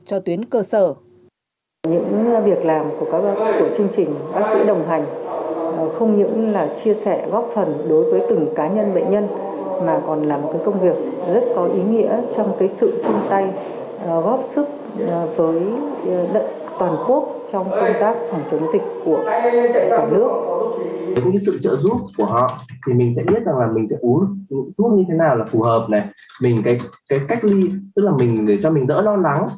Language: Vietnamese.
cho tuyến cơ sở